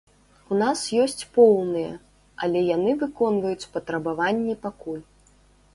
У нас ёсць поўныя, але яны выконваюць патрабаванні пакуль.